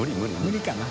無理かな。